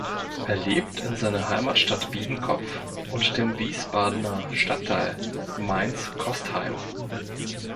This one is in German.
Er lebt in seiner Heimatstadt Biedenkopf und dem Wiesbadener Stadtteil Mainz-Kostheim.